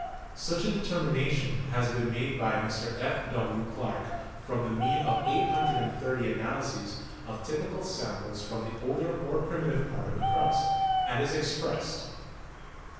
Such a determination has been made by Mr. F. W. Clarke from the mean of 830 analyses of typical samples from the older or primitive part of the crust, and is ex pressed.